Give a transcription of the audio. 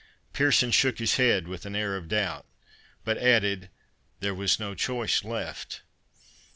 Pearson shook his head with an air of doubt, but added, "There was no choice left."